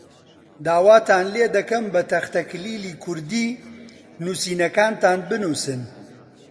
داواتان لێ دەکەم بە تەختەکلیلی کوردی نووسینەکانتان بنووسن.